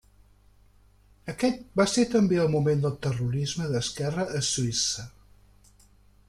Aquest va ser també el moment del terrorisme d'esquerra a Suïssa.